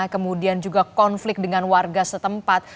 kemudian juga konflik dengan warga setempat